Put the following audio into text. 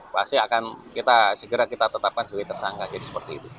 pasti akan kita segera kita tetapkan sebagai tersangka jadi seperti itu